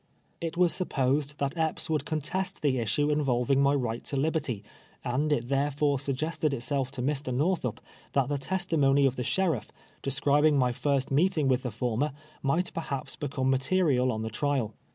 It was supposed that Ei)ps would contest the issue involving my right to liberty, and it therefore sug gested itself to Mr. Xorthup, that the testimony of the shenff, describing my first meeting with the for mer, might perhaps become material on the trial.